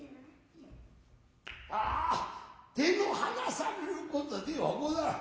ああ手の離さるることではござらぬ。